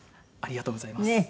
ありがとうございます。